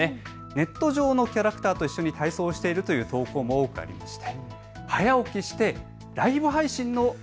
ネット上でのキャラクターと一緒に体操しているという声もありました。